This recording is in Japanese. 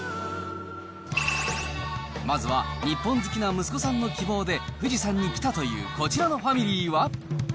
まずは、日本好きな息子さんの希望で富士山に来たというこちらのファミリ